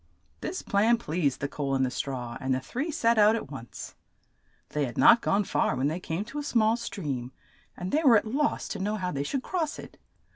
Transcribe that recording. This plan pleased the coal and the straw, and the three set out at once. They had not gone far when they came to a small stream, and they were at loss to know how they should cross it.